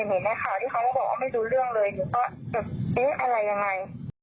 แต่พอเห็นแม่ข่าวที่เขาบอกว่าไม่รู้เรื่องเลยหรือว่าอยู่อะไรยังไง